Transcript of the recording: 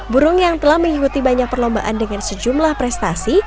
burung yang telah mengikuti banyak perlombaan dengan sejumlah prestasi